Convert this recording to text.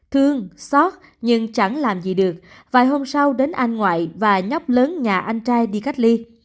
thương xót nhưng chẳng làm gì được vài hôm sau đến anh ngoại và nhóc lớn nhà anh trai đi cách ly